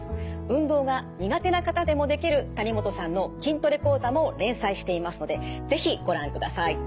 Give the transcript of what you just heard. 運動が苦手な方でもできる谷本さんの筋トレ講座も連載していますので是非ご覧ください。